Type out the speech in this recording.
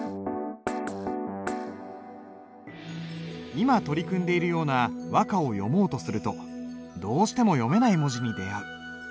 今取り組んでいるような和歌を読もうとするとどうしても読めない文字に出会う。